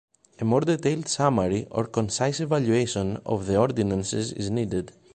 A more detailed summary or concise evaluation of "The Ordinances" is needed.